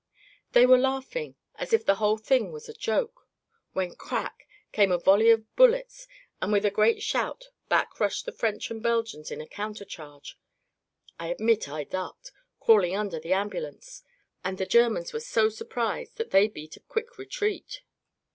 They were laughing, as if the whole thing was a joke, when crack! came a volley of bullets and with a great shout back rushed the French and Belgians in a counter charge. I admit I ducked, crawling under the ambulance, and the Germans were so surprised that they beat a quick retreat.